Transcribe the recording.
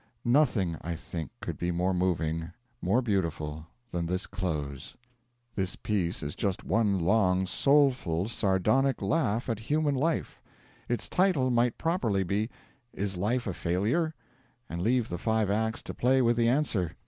Nothing, I think, could be more moving, more beautiful, than this close. This piece is just one long, soulful, sardonic laugh at human life. Its title might properly be 'Is Life a Failure?' and leave the five acts to play with the answer.